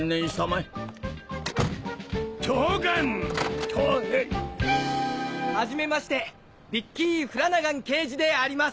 えっ？はじめましてビッキー・フラナガン刑事であります！